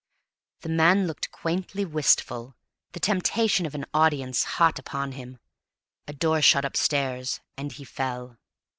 The man looked quaintly wistful, the temptation of an audience hot upon him; a door shut upstairs, and he fell.